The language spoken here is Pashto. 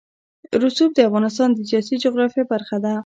رسوب د افغانستان د سیاسي جغرافیه برخه ده.